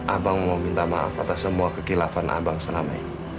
abang mau minta maaf atas semua kekilafan abang selama ini